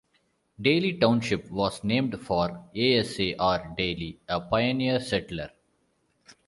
Dailey Township was named for Asa R. Dailey, a pioneer settler.